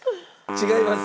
違います。